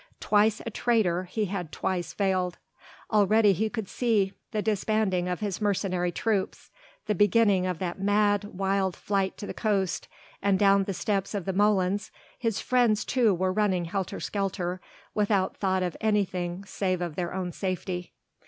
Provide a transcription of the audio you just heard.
Twice a traitor, he had twice failed. Already he could see the disbanding of his mercenary troops, the beginning of that mad, wild flight to the coast, and down the steps of the molens his friends too were running helter skelter, without thought of anything save of their own safety.